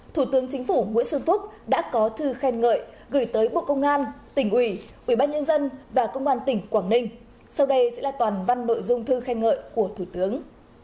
thủ tướng chính phủ nguyễn xuân phúc đã có thư khen ngợi gửi tới bộ công an tỉnh ủy ủy ban nhân dân và công an tỉnh quảng ninh sau đây sẽ là toàn văn nội dung thư khen ngợi của thủ tướng